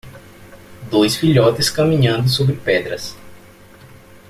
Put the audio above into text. Dois filhotes caminhando sobre pedras.